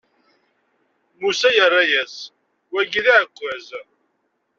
Musa yerra-as: Wagi d aɛekkaz.